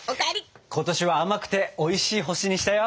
今年は甘くておいしい星にしたよ！